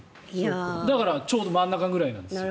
だから、ちょうど真ん中ぐらいなんですよ。